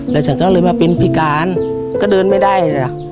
แล้วฉันก็เลยมาเป็นพิการก็เดินไม่ได้จ้ะ